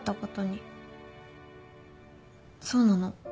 そうなの？